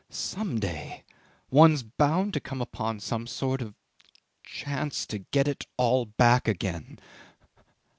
"Some day one's bound to come upon some sort of chance to get it all back again.